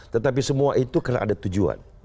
tetapi semua itu karena ada tujuan